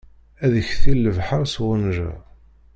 Ad iktil lebḥeṛ s uɣenja.